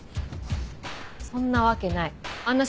そんなわけないあんな